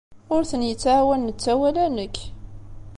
Ur ten-yettɛawan netta wala nekk.